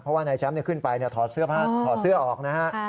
เพราะว่านายแชมป์ขึ้นไปถอดเสื้อออกนะครับ